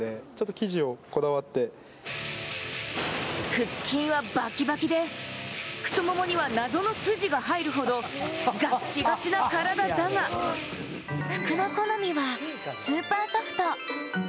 腹筋はバキバキで、太ももには謎の筋が入るほどガッチガチな体だが、服の好みはスーパーソフト！